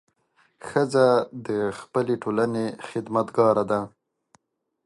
ښځه د خپلې ټولنې خدمتګاره ده.